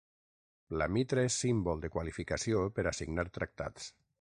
La mitra és símbol de qualificació per a signar tractats.